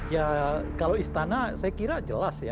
ya kalau istana saya kira jelas ya